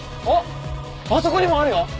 あっあそこにもあるよ！